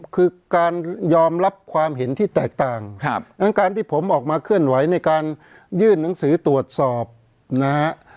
คือการยอมรับความเห็นที่แตกต่างดังการที่ผมออกมาเคลื่อนไหวในการยื่นหนังสือตรวจสอบนะฮะ